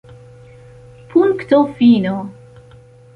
Punkto fino!